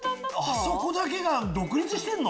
あそこだけが独立してんの！